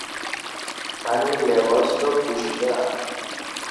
من این لباس را پوشیده ام.